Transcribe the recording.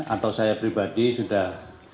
atau saya pribadi sudah